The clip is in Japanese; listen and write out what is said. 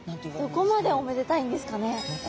どこまでおめでたいんですかね。